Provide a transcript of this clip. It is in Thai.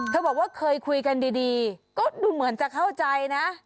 บอกว่าเคยคุยกันดีก็ดูเหมือนจะเข้าใจนะ